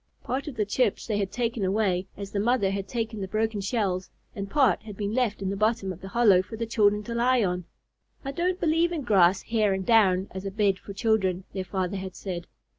Part of the chips they had taken away, as the mother had taken the broken shells, and part had been left in the bottom of the hollow for the children to lie on. "I don't believe in grass, hair, and down, as a bed for children," their father had said.